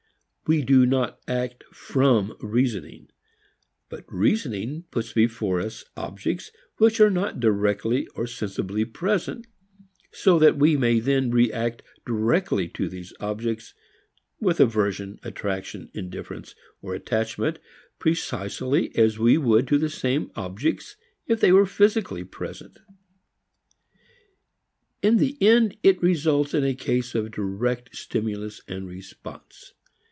We do not act from reasoning; but reasoning puts before us objects which are not directly or sensibly present, so that we then may react directly to these objects, with aversion, attraction, indifference or attachment, precisely as we would to the same objects if they were physically present. In the end it results in a case of direct stimulus and response.